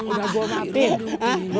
udah gua ngapain